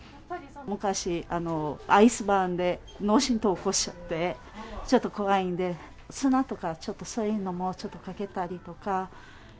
昔、アイスバーンで脳震とう起こしちゃって、ちょっと怖いんで、砂とかちょっとそういうのもちょっとかけたりとか。